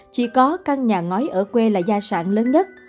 chỉ có căn nhà ngói ở quê là gia sản lớn nhất